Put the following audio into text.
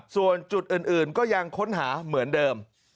ส่วนจุดอื่นก็ยังค้นหาเหมือนเดิม